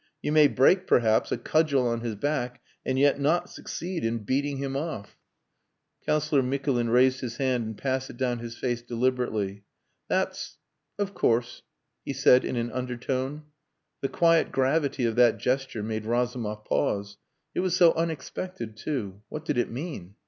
You may break, perhaps, a cudgel on his back and yet not succeed in beating him off...." Councillor Mikulin raised his hand and passed it down his face deliberately. "That's... of course," he said in an undertone. The quiet gravity of that gesture made Razumov pause. It was so unexpected, too. What did it mean?